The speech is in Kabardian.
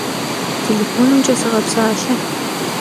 Têlêfonımç'e sığepsalhe.